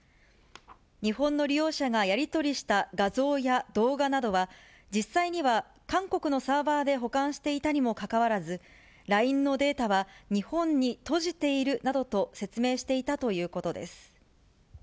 日本の利用者がやり取りした画像や動画などは、実際には韓国のサーバーで保管していたにもかかわらず、ＬＩＮＥのデータは、日本に閉じているなどと説明していたということです。